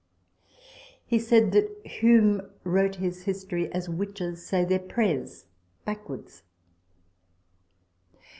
He said that Hume wrote his History as witches say their prayers backwards.